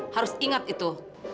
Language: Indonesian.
harus ingat itu